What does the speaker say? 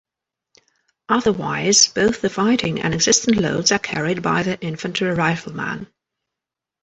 Otherwise both the fighting and existence loads are carried by the infantry rifleman.